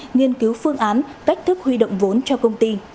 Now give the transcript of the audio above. nghiên cứu phương án cách thức huy động vốn cho công ty